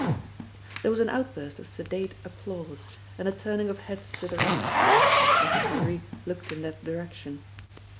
There was an outburst of sedate applause, and a turning of heads to the right. Edward Henry looked in that direction.